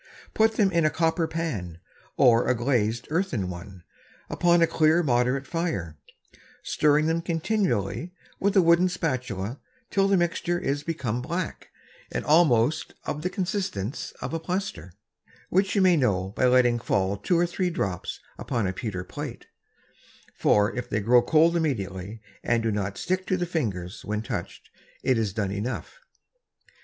Put them in a Copper Pan, or a glazed Earthen one, upon a clear moderate Fire, stirring them continually with a wooden Spatula till the Mixture is become black, and almost of the Consistence of a Plaister, (which you may know by letting fall two or three Drops upon a Pewter Plate; for if they grow cold immediately, and do not stick to the Fingers, when touch'd, it is done enough.)